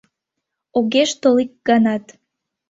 Огеш тол ик ганат.